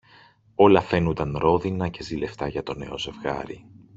Όλα φαίνουνταν ρόδινα και ζηλευτά για το νέο ζευγάρι.